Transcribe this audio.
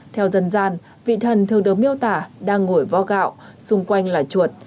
theo dân gian vị thần thường được miêu tả đang ngồi vo gạo xung quanh là chuột